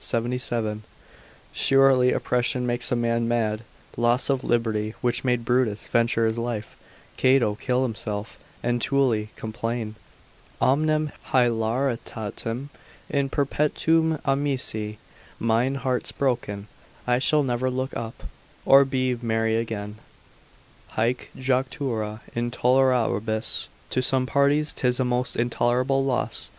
77, surely oppression makes a man mad, loss of liberty, which made Brutus venture his life, Cato kill himself, and Tully complain, Omnem hilaritatem in perpetuum amisi, mine heart's broken, I shall never look up, or be merry again, haec jactura intolerabilis, to some parties 'tis a most intolerable loss.